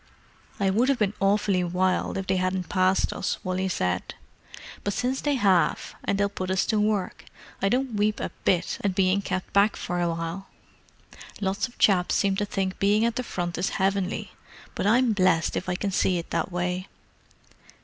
"I would have been awfully wild if they hadn't passed us," Wally said. "But since they have, and they'll put us to work, I don't weep a bit at being kept back for awhile. Lots of chaps seem to think being at the Front is heavenly, but I'm blessed if I can see it that way.